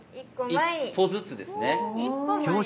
一歩ずつですね。